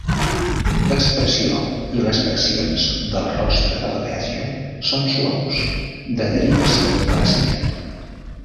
L'expressió i les faccions del rostre de la Verge són suaus, de derivació clàssica.